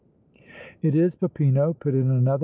"It is Peppino," put in another.